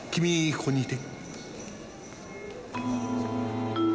ここにいて。